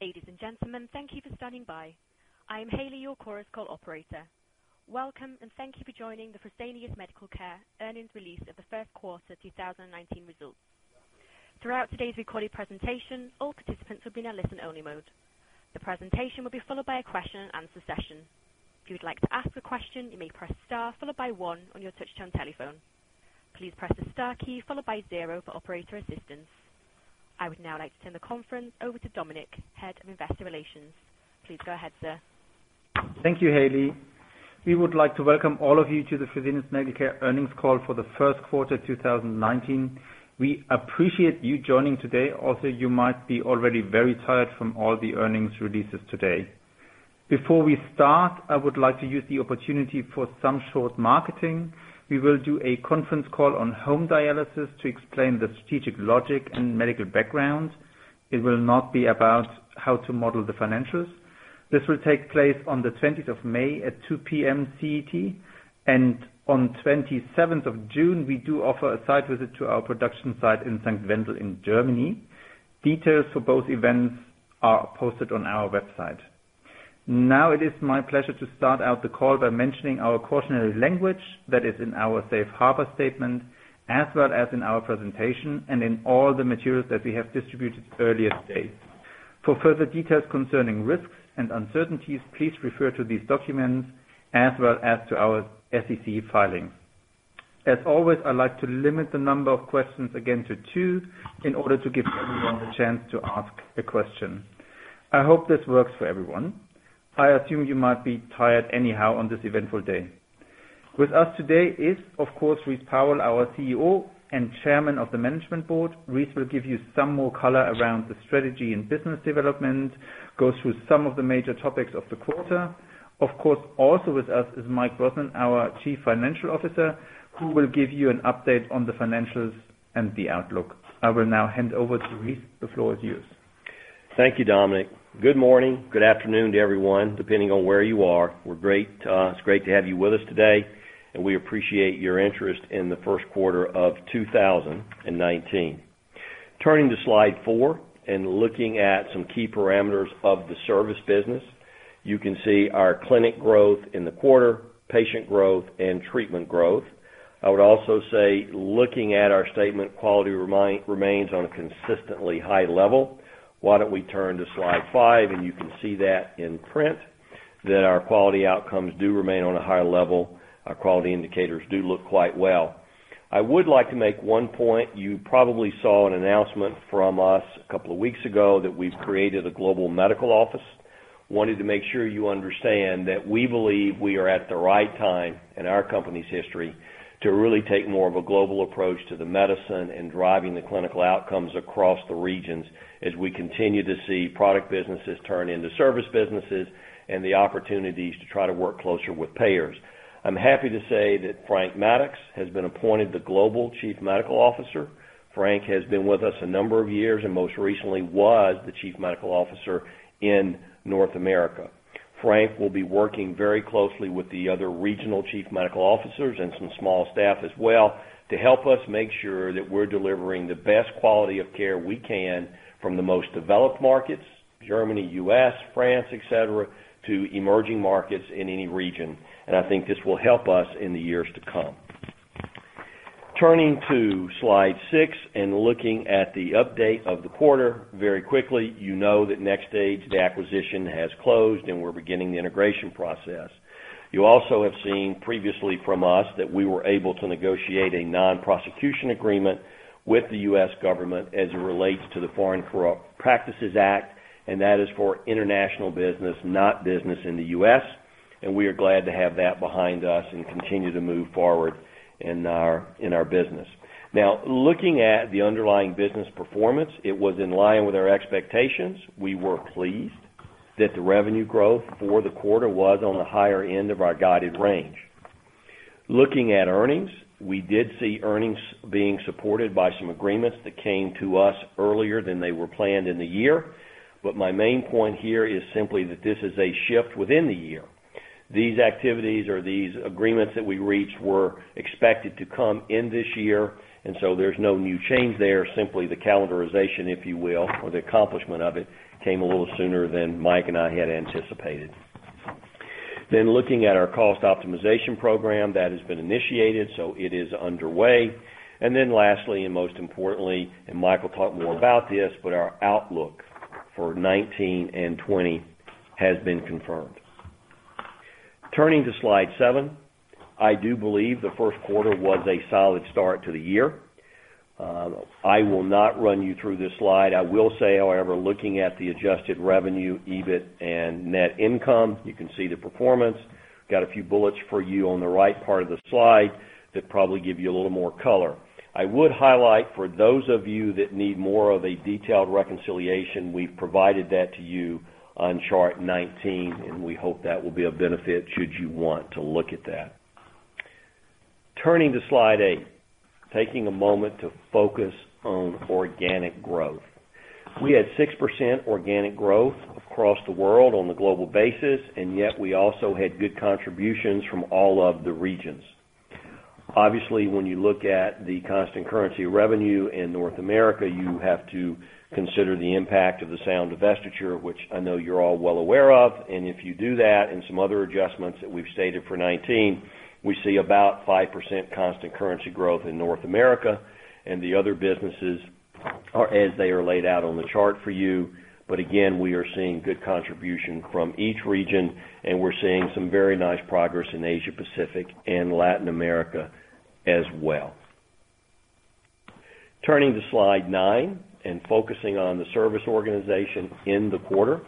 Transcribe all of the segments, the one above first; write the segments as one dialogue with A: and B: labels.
A: Ladies and gentlemen, thank you for standing by. I am Haley, your Chorus Call operator. Welcome and thank you for joining the Fresenius Medical Care earnings release of the first quarter 2019 results. Throughout today's recorded presentation, all participants will be in a listen-only mode. The presentation will be followed by a question and answer session. If you would like to ask a question, you may press star followed by one on your touchtone telephone. Please press the star key followed by zero for operator assistance. I would now like to turn the conference over to Dominik, Head of Investor Relations. Please go ahead, sir.
B: Thank you, Haley. We would like to welcome all of you to the Fresenius Medical Care earnings call for the first quarter 2019. We appreciate you joining today. Also, you might be already very tired from all the earnings releases today. Before we start, I would like to use the opportunity for some short marketing. We will do a conference call on home dialysis to explain the strategic logic and medical background. It will not be about how to model the financials. This will take place on the 20th of May at 2:00 P.M. CT. On 27th of June, we do offer a site visit to our production site in Sankt Wendel in Germany. Details for both events are posted on our website. Now it is my pleasure to start out the call by mentioning our cautionary language that is in our safe harbor statement, as well as in our presentation and in all the materials that we have distributed earlier today. For further details concerning risks and uncertainties, please refer to these documents as well as to our SEC filings. As always, I'd like to limit the number of questions again to two in order to give everyone a chance to ask a question. I hope this works for everyone. I assume you might be tired anyhow on this eventful day. With us today is, of course, Rice Powell, our CEO and Chairman of the Management Board. Rice will give you some more color around the strategy and business development, go through some of the major topics of the quarter. Of course, also with us is Mike Brosnan, our Chief Financial Officer, who will give you an update on the financials and the outlook. I will now hand over to Rice. The floor is yours.
C: Thank you, Dominik. Good morning, good afternoon to everyone, depending on where you are. It is great to have you with us today, and we appreciate your interest in the first quarter of 2019. Turning to slide four and looking at some key parameters of the service business, you can see our clinic growth in the quarter, patient growth, and treatment growth. I would also say, looking at our statement, quality remains on a consistently high level. Why don't we turn to slide five and you can see that in print, that our quality outcomes do remain on a high level. Our quality indicators do look quite well. I would like to make one point. You probably saw an announcement from us a couple of weeks ago that we have created a global medical office. wanted to make sure you understand that we believe we are at the right time in our company's history to really take more of a global approach to the medicine and driving the clinical outcomes across the regions as we continue to see product businesses turn into service businesses and the opportunities to try to work closer with payers. I am happy to say that Frank Maddux has been appointed the Global Chief Medical Officer. Frank has been with us a number of years and most recently was the Chief Medical Officer in North America. Frank will be working very closely with the other regional chief medical officers and some small staff as well to help us make sure that we are delivering the best quality of care we can from the most developed markets, Germany, U.S., France, et cetera, to emerging markets in any region. I think this will help us in the years to come. Turning to slide six and looking at the update of the quarter very quickly. You know that NxStage, the acquisition, has closed and we are beginning the integration process. You also have seen previously from us that we were able to negotiate a non-prosecution agreement with the U.S. government as it relates to the Foreign Corrupt Practices Act, and that is for international business, not business in the U.S. We are glad to have that behind us and continue to move forward in our business. Looking at the underlying business performance, it was in line with our expectations. We were pleased that the revenue growth for the quarter was on the higher end of our guided range. Looking at earnings, we did see earnings being supported by some agreements that came to us earlier than they were planned in the year. My main point here is simply that this is a shift within the year. These activities or these agreements that we reached were expected to come in this year, there is no new change there. Simply the calendarization, if you will, or the accomplishment of it, came a little sooner than Mike and I had anticipated. Looking at our cost optimization program, that has been initiated, so it is underway. Lastly, and most importantly, and Michael talked more about this, our outlook for 2019 and 2020 has been confirmed. Turning to slide seven, I do believe the first quarter was a solid start to the year. I will not run you through this slide. I will say, however, looking at the adjusted revenue, EBIT, and net income, you can see the performance. Got a few bullets for you on the right part of the slide that probably give you a little more color. I would highlight for those of you that need more of a detailed reconciliation, we've provided that to you on chart 19, and we hope that will be of benefit should you want to look at that. Turning to slide eight, taking a moment to focus on organic growth. We had 6% organic growth across the world on a global basis. Yet we also had good contributions from all of the regions. Obviously, when you look at the constant currency revenue in North America, you have to consider the impact of the Sound divestiture, which I know you're all well aware of. If you do that, and some other adjustments that we've stated for 2019, we see about 5% constant currency growth in North America. The other businesses are as they are laid out on the chart for you. Again, we are seeing good contribution from each region, and we're seeing some very nice progress in Asia Pacific and Latin America as well. Turning to slide 9 and focusing on the service organization in the quarter.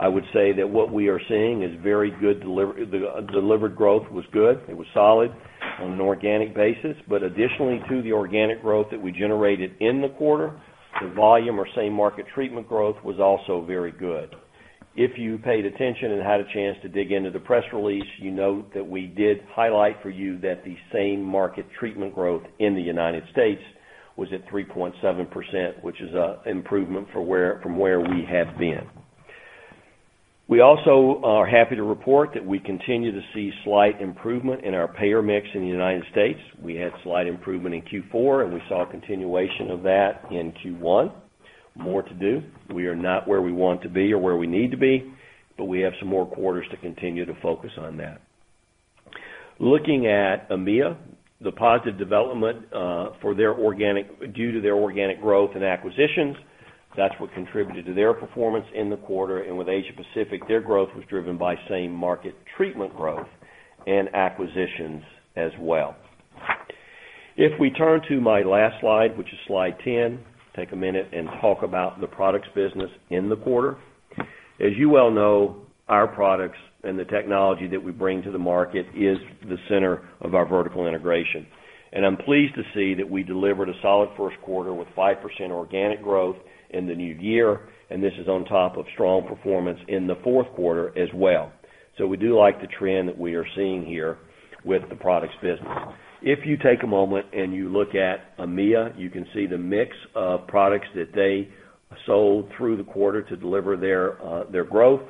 C: I would say that what we are seeing is very good. The delivered growth was good. It was solid on an organic basis. Additionally to the organic growth that we generated in the quarter, the volume or same market treatment growth was also very good. If you paid attention and had a chance to dig into the press release, you note that we did highlight for you that the same market treatment growth in the U.S. was at 3.7%, which is an improvement from where we have been. We also are happy to report that we continue to see slight improvement in our payer mix in the U.S. We had slight improvement in Q4. We saw a continuation of that in Q1. More to do. We are not where we want to be or where we need to be, but we have some more quarters to continue to focus on that. Looking at EMEA, the positive development due to their organic growth and acquisitions, that's what contributed to their performance in the quarter. With Asia Pacific, their growth was driven by same-market treatment growth and acquisitions as well. If we turn to my last slide, which is slide 10, take a minute and talk about the products business in the quarter. As you well know, our products and the technology that we bring to the market is the center of our vertical integration. I'm pleased to see that we delivered a solid first quarter with 5% organic growth in the new year. This is on top of strong performance in the fourth quarter as well. We do like the trend that we are seeing here with the products business. If you take a moment and you look at EMEA, you can see the mix of products that they sold through the quarter to deliver their growth.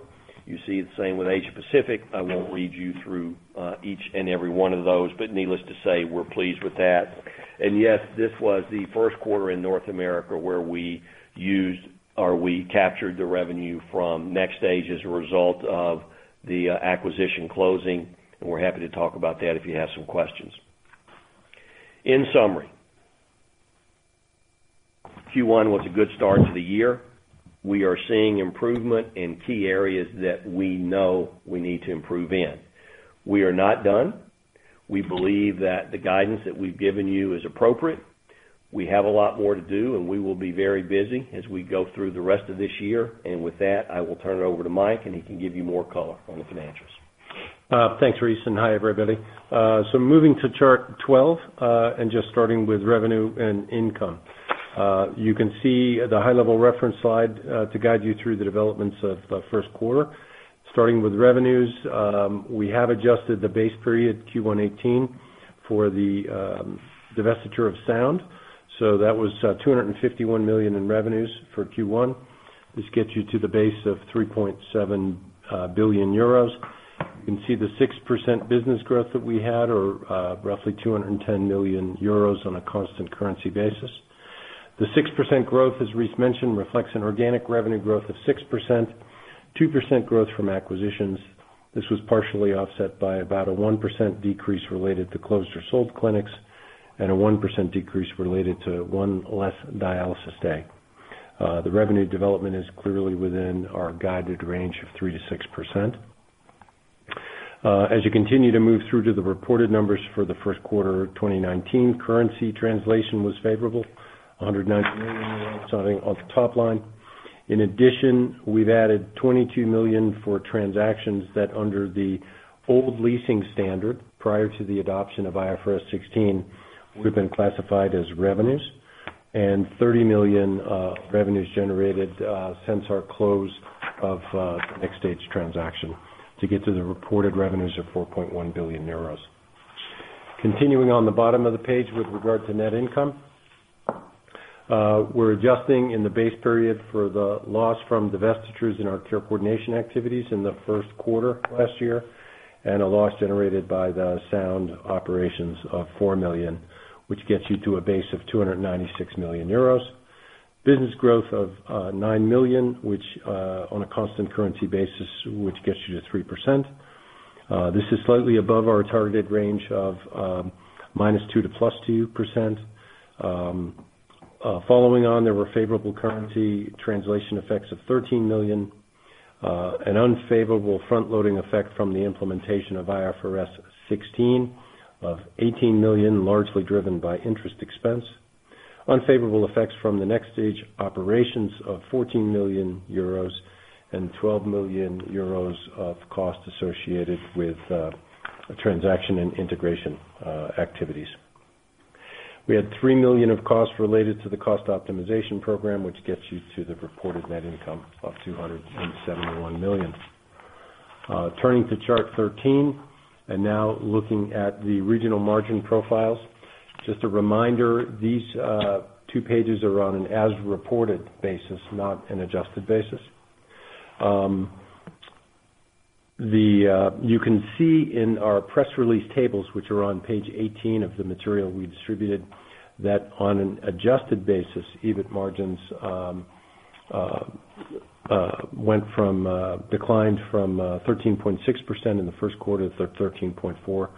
C: You see the same with Asia Pacific. I won't read you through each and every one of those, but needless to say, we're pleased with that. Yes, this was the first quarter in North America where we used or we captured the revenue from NxStage as a result of the acquisition closing, and we're happy to talk about that if you have some questions. In summary, Q1 was a good start to the year. We are seeing improvement in key areas that we know we need to improve in. We are not done. We believe that the guidance that we've given you is appropriate. We have a lot more to do, and we will be very busy as we go through the rest of this year. With that, I will turn it over to Mike, and he can give you more color on the financials.
D: Thanks, Rice, and hi, everybody. Moving to chart 12, and just starting with revenue and income. You can see the high-level reference slide to guide you through the developments of the first quarter. Starting with revenues, we have adjusted the base period Q1 '18 for the divestiture of Sound. That was 251 million in revenues for Q1. This gets you to the base of 3.7 billion euros. You can see the 6% business growth that we had or roughly 210 million euros on a constant currency basis. The 6% growth, as Reese mentioned, reflects an organic revenue growth of 6%, 2% growth from acquisitions. This was partially offset by about a 1% decrease related to closed or sold clinics and a 1% decrease related to one less dialysis day. The revenue development is clearly within our guided range of 3%-6%. As you continue to move through to the reported numbers for the first quarter of 2019, currency translation was favorable, 119 million on the top line. In addition, we've added 22 million for transactions that under the old leasing standard, prior to the adoption of IFRS 16, would have been classified as revenues, and 30 million of revenues generated since our close of NxStage transaction to get to the reported revenues of 4.1 billion euros. Continuing on the bottom of the page with regard to net income. We're adjusting in the base period for the loss from divestitures in our care coordination activities in the first quarter last year, and a loss generated by the Sound operations of 4 million, which gets you to a base of 296 million euros. Business growth of 9 million, on a constant currency basis, which gets you to 3%. This is slightly above our targeted range of -2% to +2%. Following on, there were favorable currency translation effects of 13 million, an unfavorable front-loading effect from the implementation of IFRS 16 of 18 million, largely driven by interest expense, unfavorable effects from the NxStage operations of 14 million euros and 12 million euros of costs associated with transaction and integration activities. We had 3 million of costs related to the cost optimization program, which gets you to the reported net income of 271 million. Turning to chart 13, now looking at the regional margin profiles. Just a reminder, these two pages are on an as-reported basis, not an adjusted basis. You can see in our press release tables, which are on page 18 of the material we distributed, that on an adjusted basis, EBIT margins declined from 13.6% in the first quarter to 13.4%, or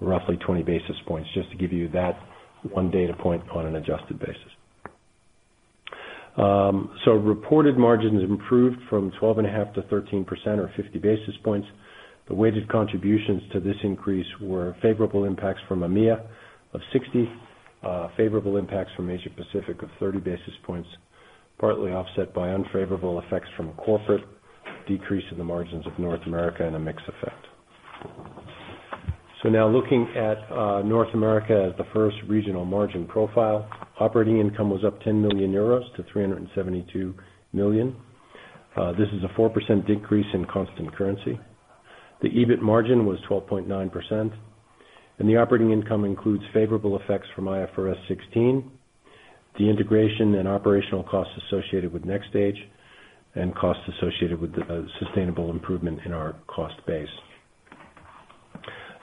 D: roughly 20 basis points, just to give you that one data point on an adjusted basis. Reported margins improved from 12.5%-13%, or 50 basis points. The weighted contributions to this increase were favorable impacts from EMEA of 60 basis points, favorable impacts from Asia Pacific of 30 basis points, partly offset by unfavorable effects from corporate, decrease in the margins of North America, and a mix effect. Looking at North America as the first regional margin profile, operating income was up 10 million euros to 372 million. This is a 4% decrease in constant currency. The EBIT margin was 12.9%, and the operating income includes favorable effects from IFRS 16, the integration and operational costs associated with NxStage, and costs associated with the sustainable improvement in our cost base.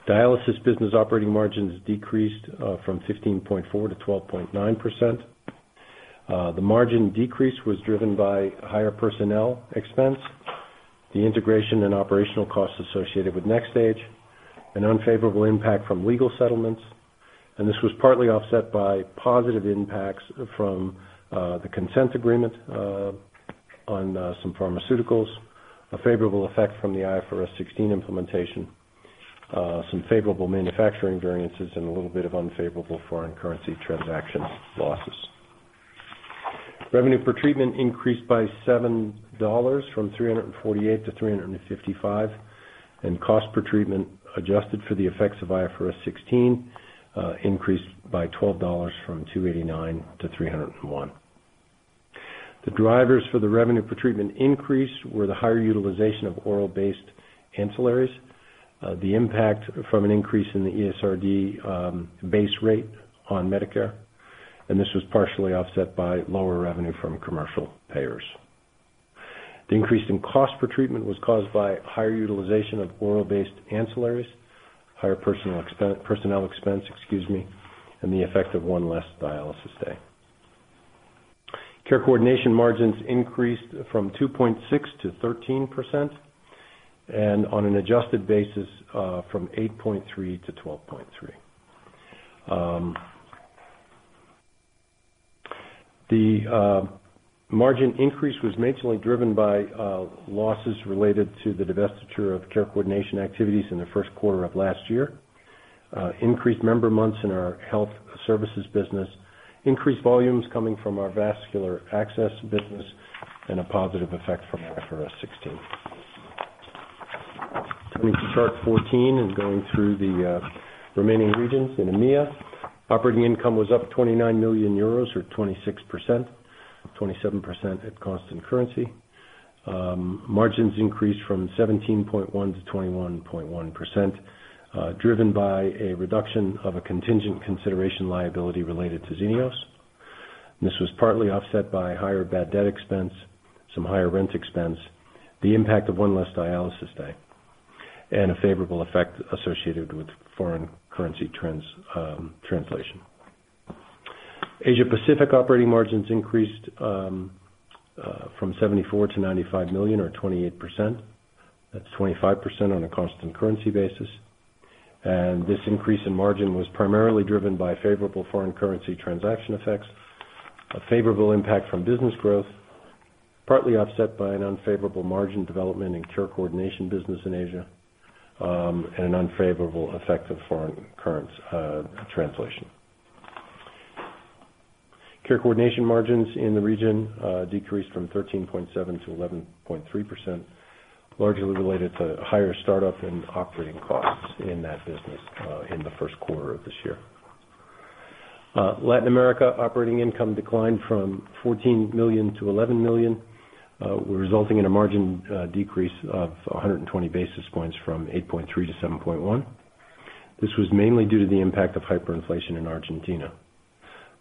D: Dialysis business operating margins decreased from 15.4%-12.9%. The margin decrease was driven by higher personnel expense, the integration and operational costs associated with NxStage, an unfavorable impact from legal settlements, and this was partly offset by positive impacts from the consent agreement on some pharmaceuticals, a favorable effect from the IFRS 16 implementation, some favorable manufacturing variances, and a little bit of unfavorable foreign currency transaction losses. Revenue per treatment increased by $7 from $348 to $355, and cost per treatment, adjusted for the effects of IFRS 16, increased by $12 from $289 to $301. The drivers for the revenue per treatment increase were the higher utilization of oral based ancillaries, the impact from an increase in the ESRD base rate on Medicare, and this was partially offset by lower revenue from commercial payers. The increase in cost per treatment was caused by higher utilization of oral based ancillaries, higher personnel expense, and the effect of one less dialysis day. Care coordination margins increased from 2.6%-13%, and on an adjusted basis, from 8.3%-12.3%. The margin increase was mainly driven by losses related to the divestiture of care coordination activities in the first quarter of last year, increased member months in our health services business, increased volumes coming from our vascular access business, and a positive effect from IFRS 16. Turning to chart 14 and going through the remaining regions in EMEA, operating income was up 29 million euros or 26%, 27% at cost and currency. Margins increased from 17.1%-21.1%, driven by a reduction of a contingent consideration liability related to Xenios. This was partly offset by higher bad debt expense, some higher rent expense, the impact of one less dialysis day, and a favorable effect associated with foreign currency translation. Asia Pacific operating margins increased from 74 million to 95 million or 28%. That's 25% on a constant currency basis. This increase in margin was primarily driven by favorable foreign currency transaction effects, a favorable impact from business growth, partly offset by an unfavorable margin development in care coordination business in Asia, and an unfavorable effect of foreign currency translation. Care coordination margins in the region decreased from 13.7% to 11.3%, largely related to higher startup and operating costs in that business in the first quarter of this year. Latin America operating income declined from 14 million to 11 million, resulting in a margin decrease of 120 basis points from 8.3% to 7.1%. This was mainly due to the impact of hyperinflation in Argentina,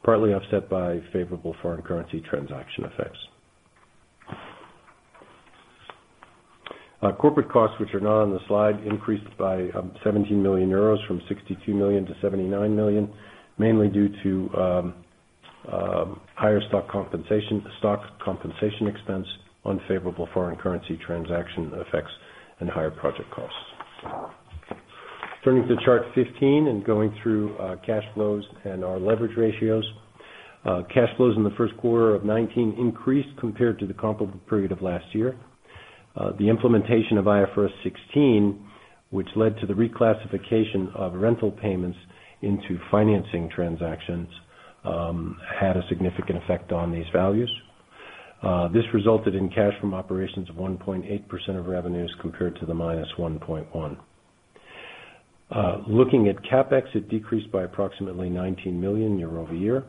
D: partly offset by favorable foreign currency transaction effects. Corporate costs, which are not on the slide, increased by 17 million euros from 62 million to 79 million, mainly due to higher stock compensation expense, unfavorable foreign currency transaction effects, and higher project costs. Turning to chart 15 and going through cash flows and our leverage ratios. Cash flows in the first quarter of 2019 increased compared to the comparable period of last year. The implementation of IFRS 16, which led to the reclassification of rental payments into financing transactions, had a significant effect on these values. This resulted in cash from operations of 1.8% of revenues compared to the -1.1%. Looking at CapEx, it decreased by approximately 19 million year-over-year.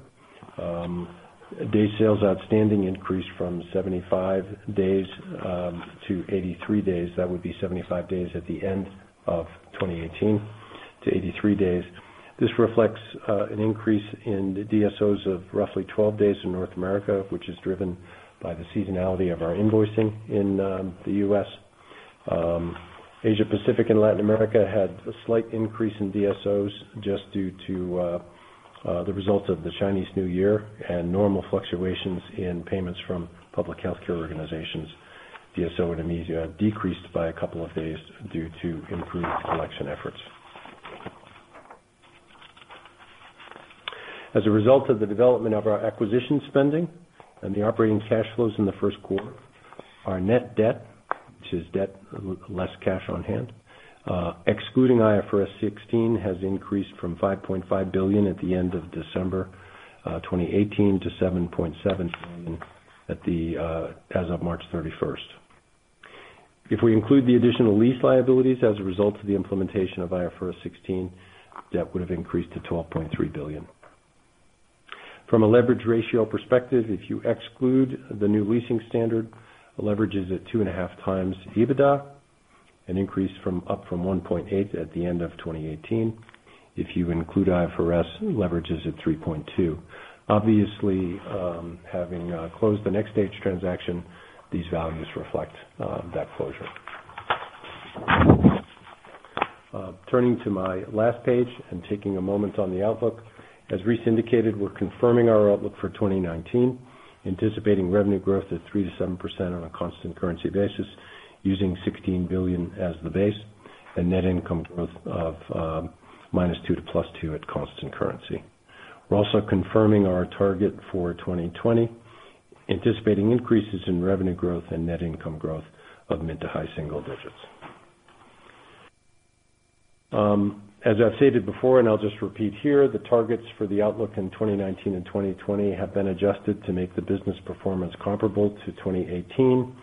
D: Day sales outstanding increased from 75 days to 83 days. That would be 75 days at the end of 2018 to 83 days. This reflects an increase in the DSOs of roughly 12 days in North America, which is driven by the seasonality of our invoicing in the U.S. Asia Pacific and Latin America had a slight increase in DSOs just due to the results of the Chinese New Year and normal fluctuations in payments from public healthcare organizations. DSO in EMEA decreased by a couple of days due to improved collection efforts. As a result of the development of our acquisition spending and the operating cash flows in the first quarter, our net debt, which is debt less cash on hand, excluding IFRS 16, has increased from 5.5 billion at the end of December 2018 to 7.7 billion as of March 31st. If we include the additional lease liabilities as a result of the implementation of IFRS 16, debt would have increased to 12.3 billion. From a leverage ratio perspective, if you exclude the new leasing standard, leverage is at 2.5 times EBITDA, an increase from up from 1.8x at the end of 2018. If you include IFRS, leverage is at 3.2x. Obviously, having closed the NxStage transaction, these values reflect that closure. Turning to my last page and taking a moment on the outlook. As Rice indicated, we're confirming our outlook for 2019, anticipating revenue growth of 3% to 7% on a constant currency basis, using 16 billion as the base, and net income growth of -2% to +2% at constant currency. We're also confirming our target for 2020, anticipating increases in revenue growth and net income growth of mid to high single digits. As I've stated before, I'll just repeat here, the targets for the outlook in 2019 and 2020 have been adjusted to make the business performance comparable to 2018.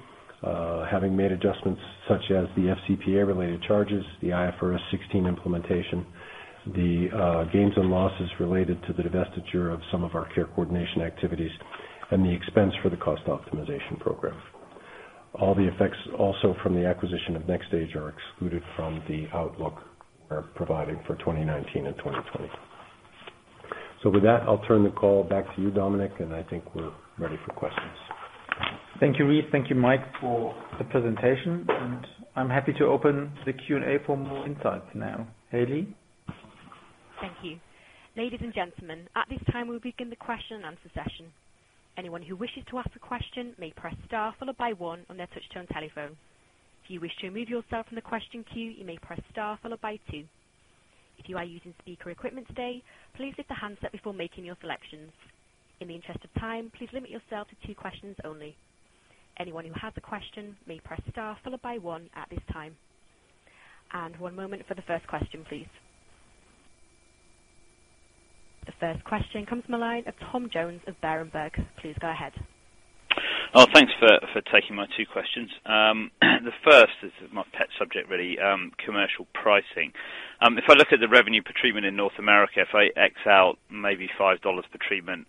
D: Having made adjustments such as the FCPA-related charges, the IFRS 16 implementation, the gains and losses related to the divestiture of some of our care coordination activities, and the expense for the cost optimization program. All the effects also from the acquisition of NxStage are excluded from the outlook we're providing for 2019 and 2020. With that, I'll turn the call back to you, Dominik, and I think we're ready for questions.
B: Thank you, Rice. Thank you, Mike, for the presentation. I'm happy to open the Q&A for more insights now. Haley?
A: Thank you. Ladies and gentlemen, at this time, we'll begin the question and answer session. Anyone who wishes to ask a question may press star followed by one on their touch-tone telephone. If you wish to remove yourself from the question queue, you may press star followed by two. If you are using speaker equipment today, please lift the handset before making your selections. In the interest of time, please limit yourself to two questions only. Anyone who has a question may press star followed by one at this time. One moment for the first question, please. The first question comes from the line of Tom Jones of Berenberg. Please go ahead.
E: Oh, thanks for taking my two questions. The first is my pet subject, really, commercial pricing. If I look at the revenue per treatment in North America, if I X out maybe $5 per treatment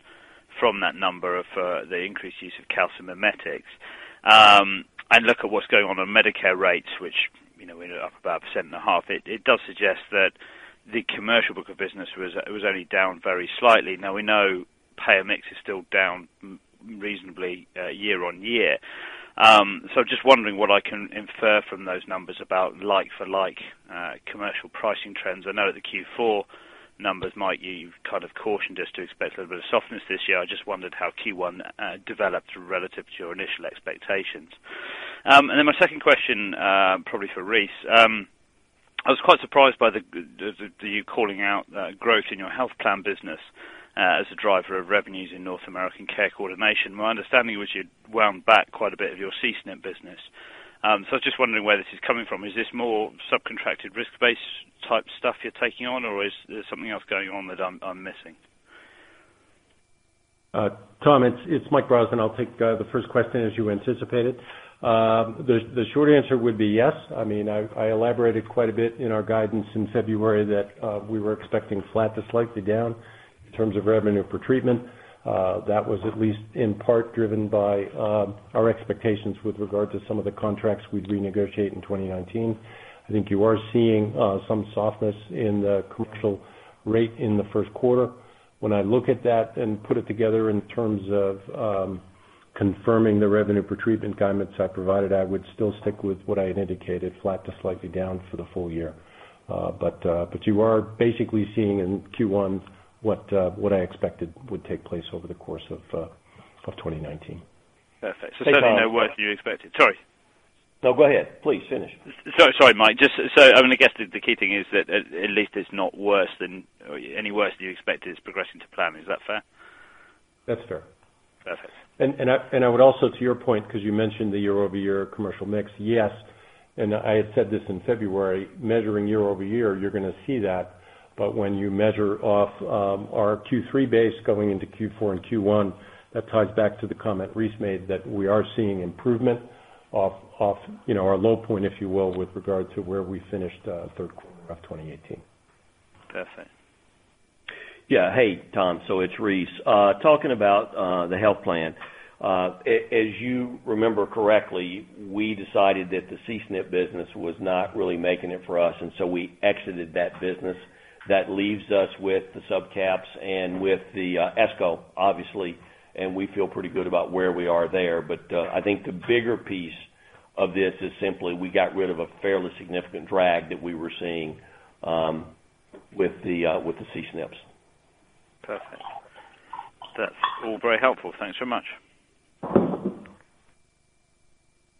E: from that number of the increased use of calcimimetics and look at what's going on Medicare rates, which we know are up about a percent and a half, it does suggest that the commercial book of business was only down very slightly. Now we know payer mix is still down reasonably year-on-year. Just wondering what I can infer from those numbers about like for like commercial pricing trends. I know that the Q4 numbers, Mike, you've cautioned us to expect a little bit of softness this year. I just wondered how Q1 developed relative to your initial expectations. Then my second question, probably for Rice. I was quite surprised by you calling out growth in your health plan business as a driver of revenues in North American care coordination. My understanding was you'd wound back quite a bit of your C-SNP business. I was just wondering where this is coming from. Is this more subcontracted risk-based type stuff you're taking on, or is there something else going on that I'm missing?
D: Tom, it's Michael Brosnan. I'll take the first question as you anticipated. The short answer would be yes. I elaborated quite a bit in our guidance in February that we were expecting flat to slightly down in terms of revenue per treatment. That was at least in part driven by our expectations with regard to some of the contracts we'd renegotiate in 2019. I think you are seeing some softness in the commercial rate in the first quarter. When I look at that and put it together in terms of confirming the revenue per treatment guidance I provided, I would still stick with what I had indicated, flat to slightly down for the full year. You are basically seeing in Q1 what I expected would take place over the course of 2019.
E: Perfect. Certainly.
D: Go ahead
E: no worse than you expected. Sorry.
D: Go ahead. Please finish.
E: Sorry, Mike. I guess the key thing is that at least it's not any worse than you expected. It's progressing to plan. Is that fair?
D: That's fair.
E: Perfect.
D: I would also, to your point, because you mentioned the year-over-year commercial mix, yes, I had said this in February, measuring year-over-year, you're going to see that. When you measure off our Q3 base going into Q4 and Q1, that ties back to the comment Rice made that we are seeing improvement off our low point, if you will, with regard to where we finished third quarter of 2018.
E: Perfect.
C: Hey, Tom. It's Rice. Talking about the health plan. As you remember correctly, we decided that the C-SNP business was not really making it for us, we exited that business. That leaves us with the sub caps and with the ESCO, obviously, we feel pretty good about where we are there. I think the bigger piece of this is simply we got rid of a fairly significant drag that we were seeing with the C-SNPs.
E: Perfect. That's all very helpful. Thanks very much.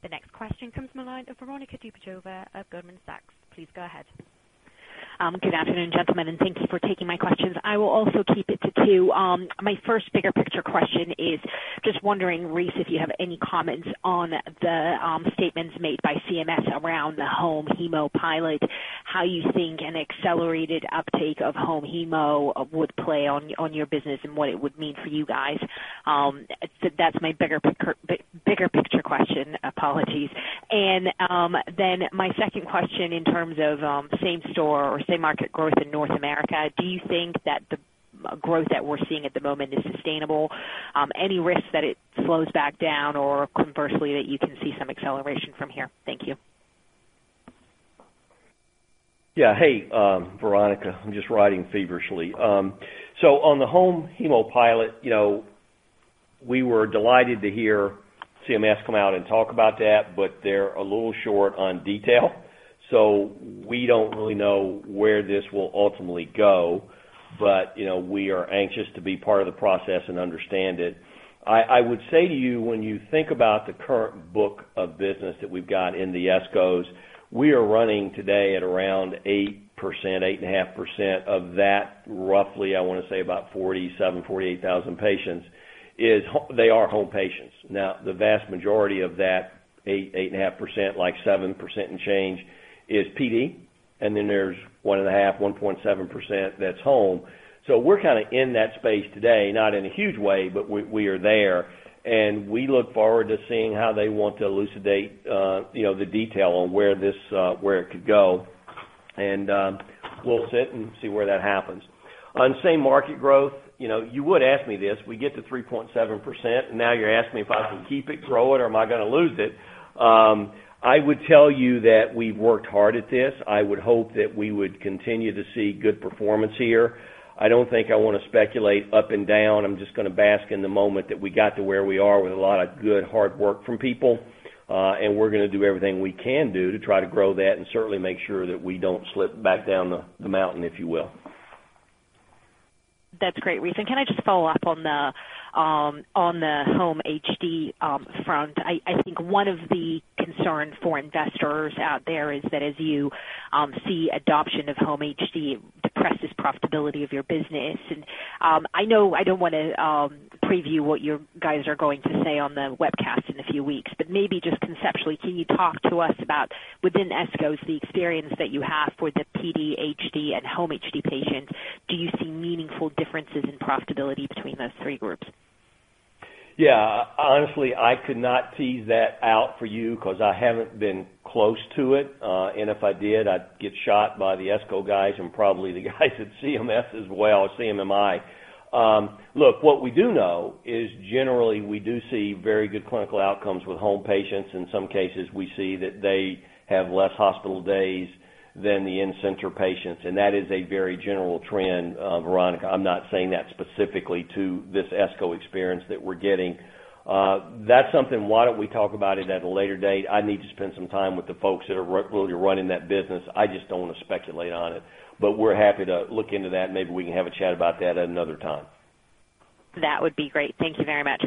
A: The next question comes from the line of Veronika Dubajova of Goldman Sachs. Please go ahead.
F: Good afternoon, gentlemen, and thank you for taking my questions. I will also keep it to two. My first bigger picture question is just wondering, Rice, if you have any comments on the statements made by CMS around the home hemo pilot, how you think an accelerated uptake of home hemo would play on your business and what it would mean for you guys. That's my bigger picture question. Apologies. My second question in terms of same store or same market growth in North America, do you think that the growth that we're seeing at the moment is sustainable? Any risk that it slows back down or conversely, that you can see some acceleration from here? Thank you.
C: Yeah. Hey, Veronika. I'm just writing feverishly. On the home hemo pilot, we were delighted to hear CMS come out and talk about that, but they're a little short on detail, so we don't really know where this will ultimately go. We are anxious to be part of the process and understand it. I would say to you, when you think about the current book of business that we've got in the ESCOs, we are running today at around 8%, 8.5% of that. Roughly, I want to say about 47,000, 48,000 patients, they are home patients. The vast majority of that 8.5%, like 7% and change is PD, and then there's 1.5, 1.7% that's home. We're kind of in that space today, not in a huge way, but we are there, and we look forward to seeing how they want to elucidate the detail on where it could go. We'll sit and see where that happens. On same market growth, you would ask me this. We get to 3.7%, and now you're asking me if I can keep it growing or am I going to lose it. I would tell you that we've worked hard at this. I would hope that we would continue to see good performance here. I don't think I want to speculate up and down. I'm just going to bask in the moment that we got to where we are with a lot of good, hard work from people. We're going to do everything we can do to try to grow that and certainly make sure that we don't slip back down the mountain, if you will.
F: That's great, Rice. Can I just follow up on the Home hemodialysis front? I think one of the concerns for investors out there is that as you see adoption of Home hemodialysis, it depresses profitability of your business. I don't want to preview what you guys are going to say on the webcast in a few weeks, but maybe just conceptually, can you talk to us about within ESCOs, the experience that you have with the PD, HD, and Home hemodialysis patients, do you see meaningful differences in profitability between those three groups?
C: Yeah, honestly, I could not tease that out for you because I haven't been close to it. If I did, I'd get shot by the ESCO guys and probably the guys at CMS as well, CMMI. Look, what we do know is generally we do see very good clinical outcomes with home patients. In some cases, we see that they have less hospital days than the in-center patients, and that is a very general trend, Veronika. I'm not saying that specifically to this ESCO experience that we're getting. That's something, why don't we talk about it at a later date? I need to spend some time with the folks that are really running that business. I just don't want to speculate on it. We're happy to look into that, and maybe we can have a chat about that at another time.
F: That would be great. Thank you very much.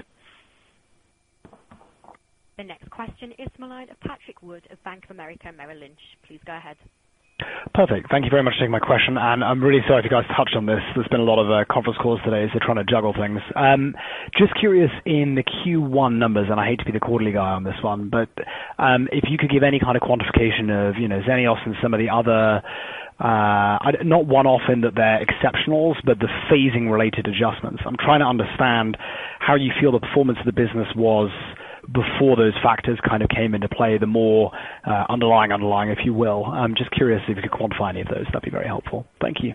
A: The next question is from the line of Patrick Wood of Bank of America Merrill Lynch. Please go ahead.
G: Perfect. Thank you very much for taking my question. I am really sorry if you guys touched on this. There has been a lot of conference calls today, so trying to juggle things. Just curious in the Q1 numbers, and I hate to be the quarterly guy on this one, but if you could give any kind of quantification of Xenios and some of the other, not one-off in that they are exceptionals, but the phasing related adjustments. I am trying to understand how you feel the performance of the business was before those factors kind of came into play, the more underlying, if you will. I am just curious if you could quantify any of those, that would be very helpful. Thank you.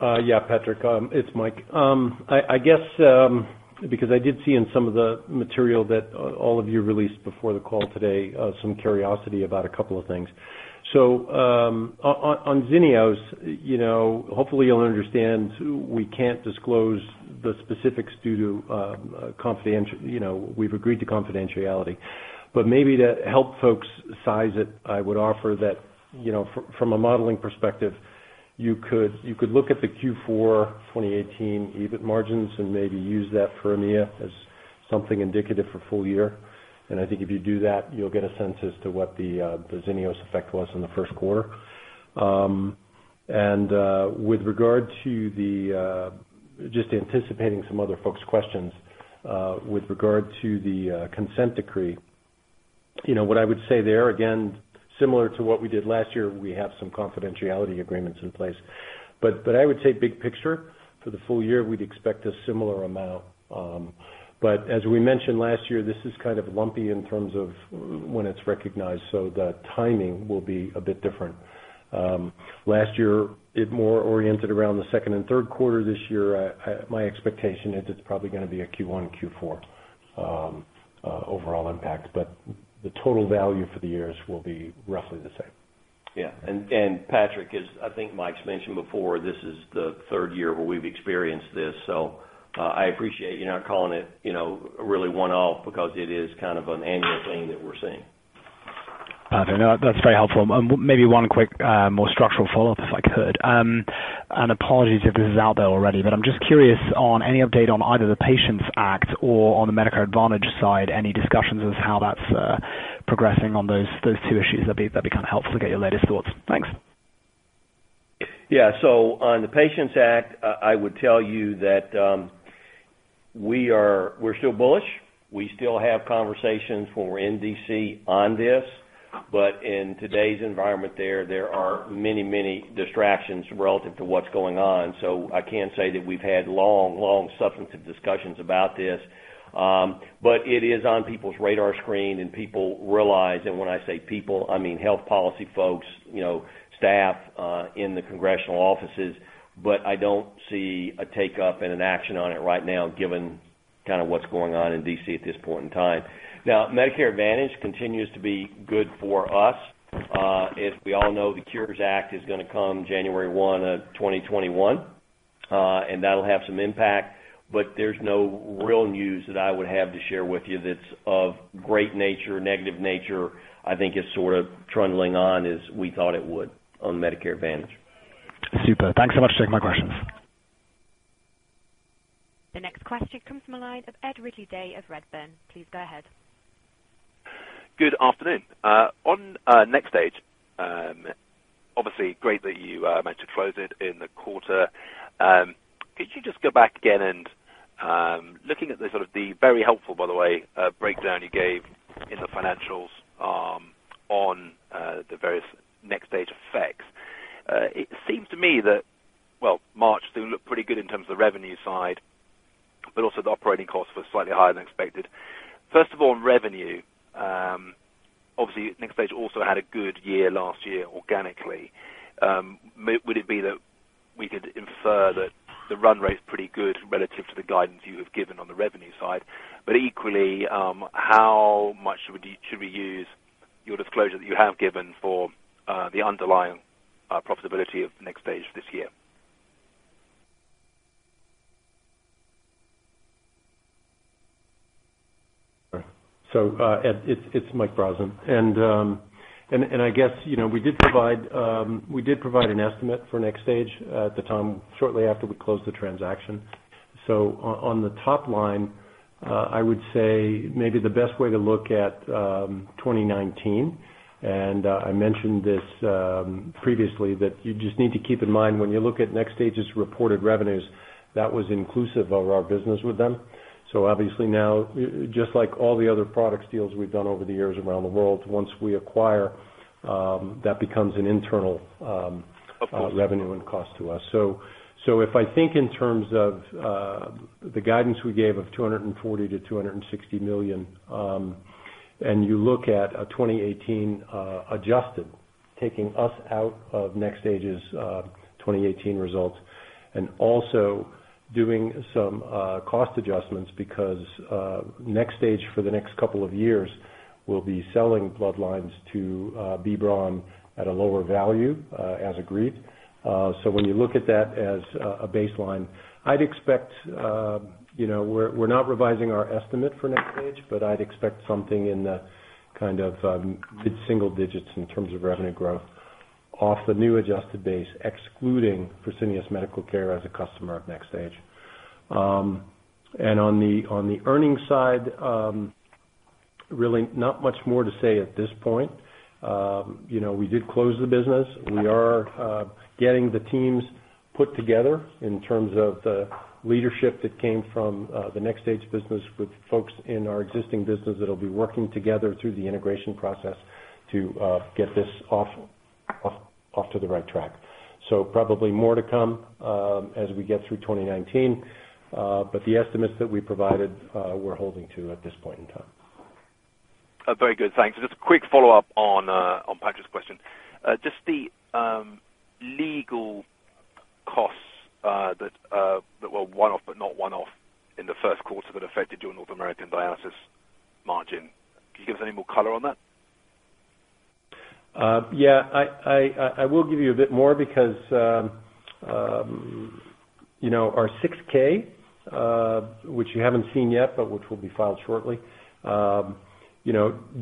D: Yeah, Patrick, it is Mike. I guess, because I did see in some of the material that all of you released before the call today, some curiosity about a couple of things. On Xenios, hopefully you will understand we cannot disclose the specifics due to, we have agreed to confidentiality. But maybe to help folks size it, I would offer that from a modeling perspective, you could look at the Q4 2018 EBIT margins and maybe use that for EMEA as something indicative for full year. I think if you do that, you will get a sense as to what the Xenios effect was in the first quarter. With regard to the, just anticipating some other folks' questions, with regard to the consent decree, what I would say there, again, similar to what we did last year, we have some confidentiality agreements in place. I would say big picture for the full year, we would expect a similar amount. As we mentioned last year, this is kind of lumpy in terms of when it is recognized, the timing will be a bit different. Last year, it more oriented around the second and third quarter. This year, my expectation is it is probably going to be a Q1, Q4 overall impact. The total value for the years will be roughly the same.
C: Yeah. Patrick, as I think Mike's mentioned before, this is the third year where we've experienced this, so I appreciate you're not calling it really one-off because it is kind of an annual thing that we're seeing.
G: Patrick, no, that's very helpful. Maybe one quick more structural follow-up, if I could. Apologies if this is out there already, but I'm just curious on any update on either the Patients Act or on the Medicare Advantage side, any discussions as to how that's progressing on those two issues? That'd be kind of helpful to get your latest thoughts. Thanks.
C: Yeah. On the Patients Act, I would tell you that we're still bullish. We still have conversations when we're in D.C. on this. In today's environment there are many distractions relative to what's going on. I can't say that we've had long substantive discussions about this. It is on people's radar screen, and people realize, and when I say people, I mean health policy folks, staff in the congressional offices, but I don't see a take-up and an action on it right now given what's going on in D.C. at this point in time. Now, Medicare Advantage continues to be good for us. As we all know, the Cures Act is going to come January 1 of 2021. That'll have some impact, but there's no real news that I would have to share with you that's of great nature, negative nature. I think it's sort of trundling on as we thought it would on Medicare Advantage.
G: Super. Thanks so much for taking my questions.
A: The next question comes from the line of Ed Ridley-Day of Redburn. Please go ahead.
H: Good afternoon. On NxStage, obviously great that you managed to close it in the quarter. Could you just go back again and, looking at the sort of the, very helpful by the way, breakdown you gave in the financials on the various NxStage effects. It seems to me that, well, March still looked pretty good in terms of the revenue side, but also the operating costs were slightly higher than expected. First of all, on revenue. Obviously NxStage also had a good year last year organically. Would it be that we could infer that the run rate's pretty good relative to the guidance you have given on the revenue side? Equally, how much should we use your disclosure that you have given for the underlying profitability of NxStage this year?
D: Ed, it's Mike Brosnan. I guess we did provide an estimate for NxStage at the time shortly after we closed the transaction. On the top line, I would say maybe the best way to look at 2019, and I mentioned this previously, that you just need to keep in mind when you look at NxStage's reported revenues, that was inclusive of our business with them. Obviously now, just like all the other products deals we've done over the years around the world, once we acquire, that becomes an internal-
H: Of course
D: revenue and cost to us. If I think in terms of the guidance we gave of 240 million-260 million, and you look at a 2018 adjusted, taking us out of NxStage's 2018 results, and also doing some cost adjustments because NxStage for the next couple of years will be selling blood lines to B. Braun at a lower value as agreed. When you look at that as a baseline, we are not revising our estimate for NxStage, but I would expect something in the kind of mid-single digits in terms of revenue growth off the new adjusted base, excluding Fresenius Medical Care as a customer of NxStage. On the earnings side, really not much more to say at this point. We did close the business. We are getting the teams put together in terms of the leadership that came from the NxStage business with folks in our existing business that will be working together through the integration process to get this off to the right track. Probably more to come as we get through 2019. The estimates that we provided, we are holding to at this point in time.
H: Very good. Thanks. Just a quick follow-up on Patrick's question. Just the legal costs that were one-off but not one-off in the first quarter that affected your North American dialysis margin. Could you give us any more color on that?
D: Yeah. I will give you a bit more because our 6-K, which you haven't seen yet, but which will be filed shortly,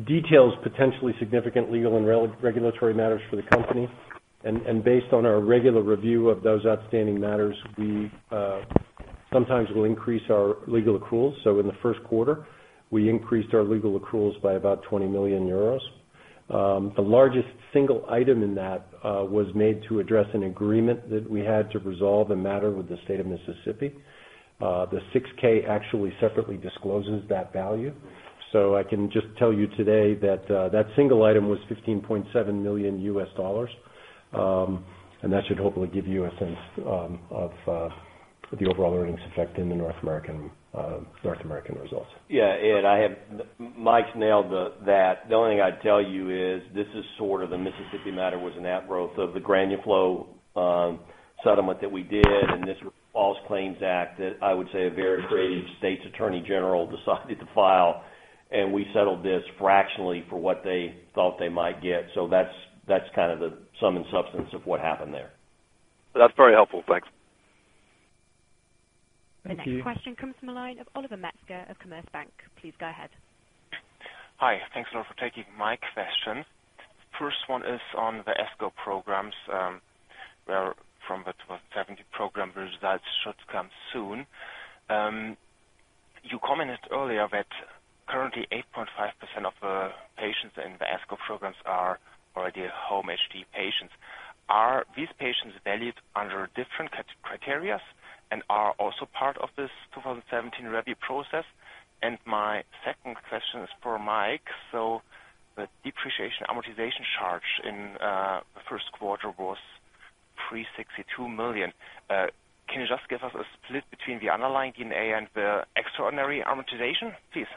D: details potentially significant legal and regulatory matters for the company. Based on our regular review of those outstanding matters, we sometimes will increase our legal accruals. In the first quarter, we increased our legal accruals by about 20 million euros. The largest single item in that was made to address an agreement that we had to resolve a matter with the state of Mississippi. The 6-K actually separately discloses that value. I can just tell you today that that single item was $15.7 million. That should hopefully give you a sense of the overall earnings effect in the North American results.
C: Yeah, Ed, Mike's nailed that. The only thing I'd tell you is, the Mississippi matter was an outgrowth of the GranuFlo settlement that we did, and this False Claims Act that I would say a very creative state's attorney general decided to file, and we settled this fractionally for what they thought they might get. That's the sum and substance of what happened there.
H: That's very helpful. Thanks.
D: Thank you.
A: The next question comes from the line of Oliver Metzger of Commerzbank. Please go ahead.
I: Hi. Thanks a lot for taking my question. First one is on the ESCO programs, where from the 2017 program results should come soon. You commented earlier that currently 8.5% of the patients in the ESCO programs are already Home hemodialysis patients. Are these patients valued under different criteria and are also part of this 2017 review process? My second question is for Mike. The depreciation amortization charge in the first quarter was 362 million. Can you just give us a split between the underlying in A and the extraordinary amortization, please?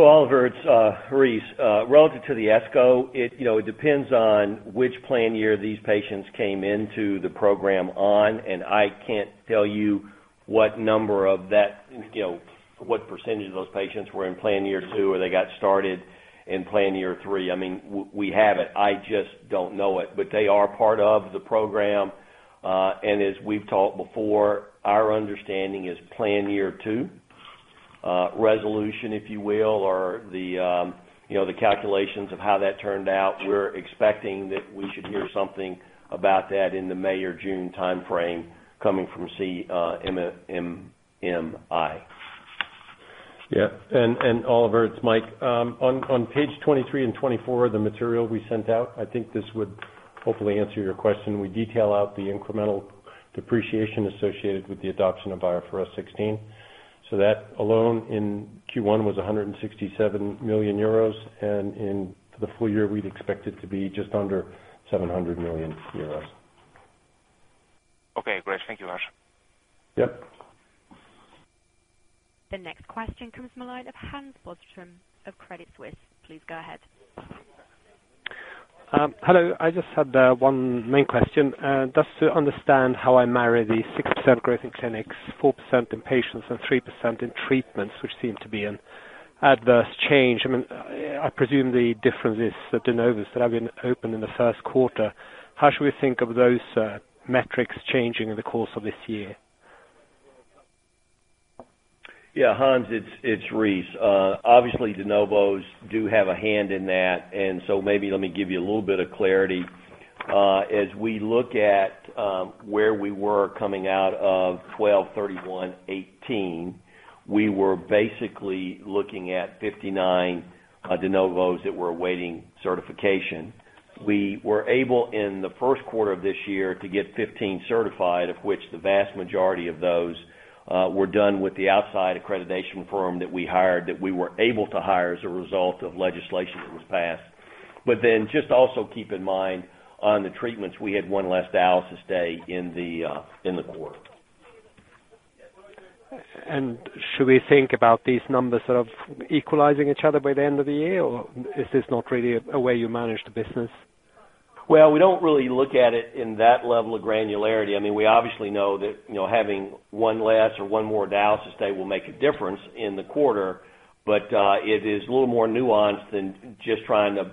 C: Oliver, it's Rice. Relative to the ESCO, it depends on which plan year these patients came into the program on, and I can't tell you what percentage of those patients were in plan year two or they got started in plan year three. We have it, I just don't know it. They are part of the program. As we've talked before, our understanding is plan year two resolution, if you will, or the calculations of how that turned out. We're expecting that we should hear something about that in the May or June timeframe coming from CMMI.
D: Yeah. Oliver, it's Mike. On page 23 and 24 of the material we sent out, I think this would hopefully answer your question. We detail out the incremental depreciation associated with the adoption of IFRS 16. That alone in Q1 was 167 million euros, and for the full year, we'd expect it to be just under 700 million euros.
I: Okay, great. Thank you much.
D: Yep.
A: The next question comes from the line of Hans Boström of Credit Suisse. Please go ahead.
J: Hello. I just had one main question. Just to understand how I marry the 6% growth in clinics, 4% in patients, and 3% in treatments, which seem to be an adverse change. I presume the difference is the de novos that have been opened in the first quarter. How should we think of those metrics changing in the course of this year?
C: Yeah, Hans, it's Reese. Obviously, de novos do have a hand in that, maybe let me give you a little bit of clarity. As we look at where we were coming out of 12/31/2018, we were basically looking at 59 de novos that were awaiting certification. We were able, in the first quarter of this year, to get 15 certified, of which the vast majority of those were done with the outside accreditation firm that we hired, that we were able to hire as a result of legislation that was passed. just also keep in mind, on the treatments, we had one less dialysis day in the quarter.
J: Should we think about these numbers equalizing each other by the end of the year, or is this not really a way you manage the business?
C: We don't really look at it in that level of granularity. We obviously know that having one less or one more dialysis day will make a difference in the quarter. It is a little more nuanced than just trying to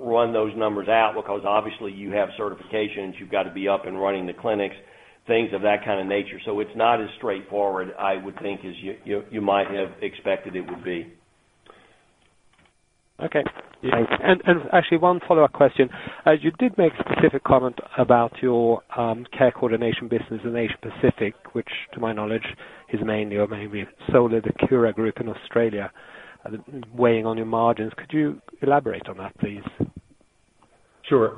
C: run those numbers out because obviously you have certifications, you've got to be up and running the clinics, things of that kind of nature. It's not as straightforward, I would think, as you might have expected it would be.
J: Okay. Thanks. Actually, one follow-up question. You did make a specific comment about your care coordination business in Asia Pacific, which to my knowledge, is mainly or maybe solely the Cura group in Australia, weighing on your margins. Could you elaborate on that, please?
D: Sure.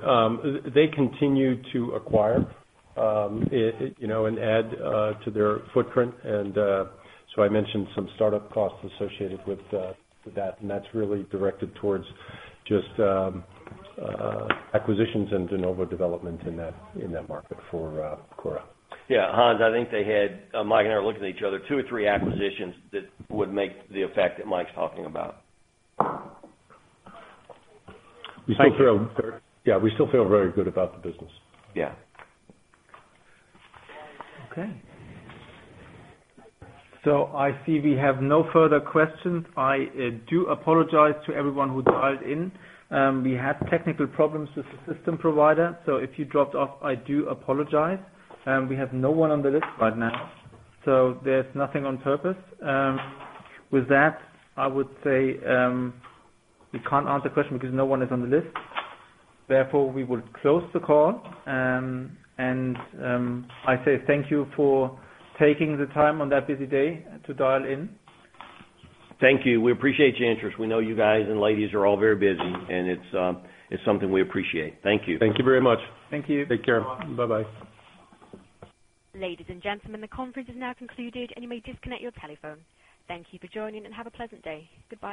D: They continue to acquire and add to their footprint. I mentioned some startup costs associated with that, and that's really directed towards just acquisitions and de novo development in that market for Cura.
C: Hans, I think they had, Mike and I are looking at each other, two or three acquisitions that would make the effect that Mike's talking about.
J: Thank you.
D: We still feel very good about the business.
C: Yeah.
J: Okay.
B: I see we have no further questions. I do apologize to everyone who dialed in. We had technical problems with the system provider, so if you dropped off, I do apologize. We have no one on the list right now, so there's nothing on purpose. With that, I would say we can't answer questions because no one is on the list. Therefore, we will close the call. I say thank you for taking the time on that busy day to dial in.
C: Thank you. We appreciate your interest. We know you guys and ladies are all very busy, and it is something we appreciate. Thank you.
D: Thank you very much.
J: Thank you.
D: Take care. Bye-bye.
A: Ladies and gentlemen, the conference is now concluded, and you may disconnect your telephone. Thank you for joining and have a pleasant day. Goodbye.